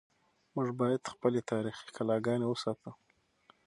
موږ باید خپلې تاریخي کلاګانې وساتو.